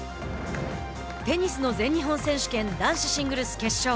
テニスの全日本選手権男子シングルス決勝。